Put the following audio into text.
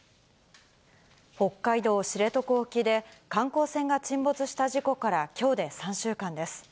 北海道知床沖で、観光船が沈没した事故からきょうで３週間です。